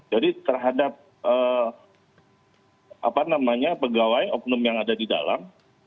jadi terhadap pegawai oknum yang ada di dalam